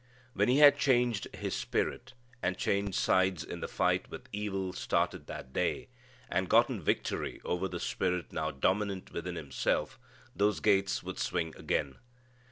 When he had changed his spirit, and changed sides in the fight with evil started that day, and gotten victory over the spirit now dominant within himself, those gates would swing again.